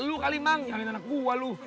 lu kali emang nyalain anak gua lu